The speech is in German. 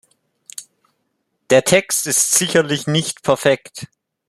Der Text ist sicherlich nicht perfekt.